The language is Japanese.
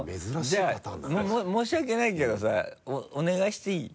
じゃあ申し訳ないけどさお願いしていい？